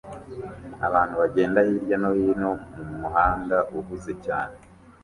Abantu bagenda hirya no hino mumuhanda uhuze cyane